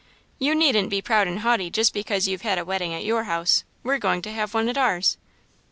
"You needn't be proud and haughty just because you've had a wedding at your house we're going to have one at ours."